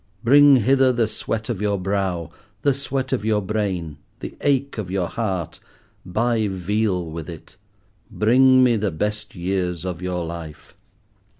Bring hither the sweat of your brow, the sweat of your brain, the ache of your heart, buy Veal with it. Bring me the best years of your life.